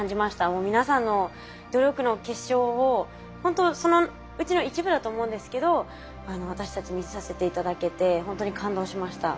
もう皆さんの努力の結晶をほんとそのうちの一部だと思うんですけど私たち見させて頂けてほんとに感動しました。